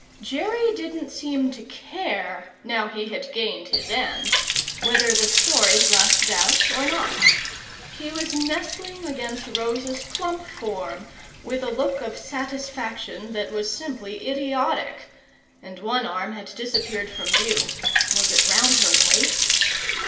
Jerry didn't seem to care, now he had gained his end, whether the stories lasted out or not. He was nestling against Rosa's plump form with a look of satisfaction that was simply idiotic; and one arm had disappeared from view was it round her waist?